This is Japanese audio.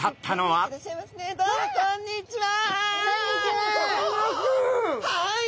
はい！